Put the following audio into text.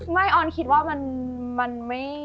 ออนคิดว่ามันไม่